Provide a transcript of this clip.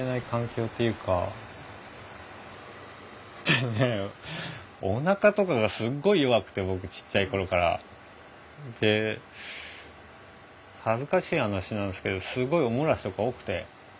でねおなかとかがすっごい弱くて僕ちっちゃい頃から。で恥ずかしい話なんですけどすごいおもらしとか多くて。